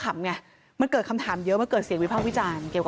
ไงมันเกิดคำถามเยอะมันเกิดเสียงวิพากษ์วิจารณ์เกี่ยวกับ